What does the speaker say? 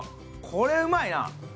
これ、うまいな。